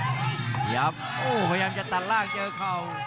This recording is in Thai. โอ้วพยายามจะตัดล่างเจอเขา